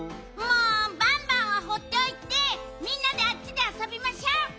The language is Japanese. もうバンバンはほっておいてみんなであっちであそびましょう！